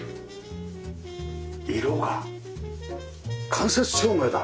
色が間接照明だ。